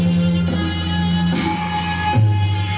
สุดท้ายสุดท้ายสุดท้าย